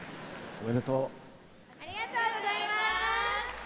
ありがとうございます。